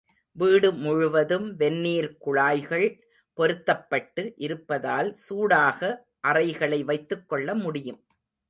வீடு முழுவதும் வெந்நீர் குழாய்கள் பொருத்தப்பட்டு இருப்பதால் சூடாக அறைகளை வைத்துக்கொள்ள முடியும்.